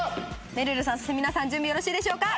めるるさんそして皆さん準備よろしいですか？